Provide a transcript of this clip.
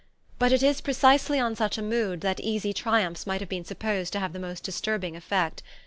But it is precisely on such a mood that easy triumphs might have been supposed to have the most disturbing effect.